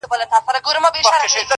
د هغه شپې څخه شپې نه کلونه تېر سوله خو_